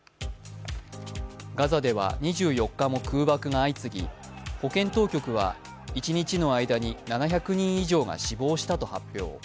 ガザでは２４日も空爆が相次ぎ保健当局は一日の間に７００人以上が死亡したと発表。